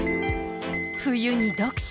冬に読書。